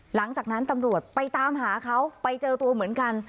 หลังจากนั้นตำรวจไปตามหาเขาไปเจอตัวเหมือนกัน